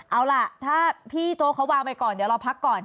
เอาล่ะถ้าพี่โจ๊กเขาวางไปก่อนเดี๋ยวเราพักก่อน